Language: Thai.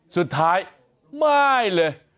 สุดท้ายไม่เลย